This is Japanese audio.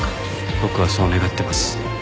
僕はそう願ってます。